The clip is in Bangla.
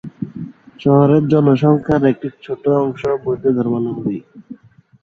শহরের জনসংখ্যার একটি ছোট অংশ বৌদ্ধ ধর্মাবলম্বী।